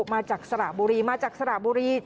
มาจากสระบุรีมาจากสระบุรี